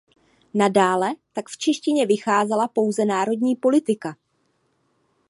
Nadále tak v češtině vycházela pouze "Národní politika".